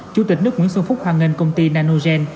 chủ tịch nước nguyễn xuân phúc hoan nghênh công ty nanogen